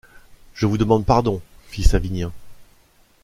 Je vous demande pardon, fit Savinien.